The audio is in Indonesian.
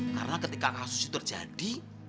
karena ketika kasus itu terjadi